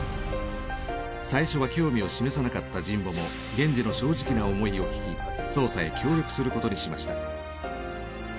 最初は興味を示さなかった神保も源次の正直な想いを聞き捜査へ協力することにしました。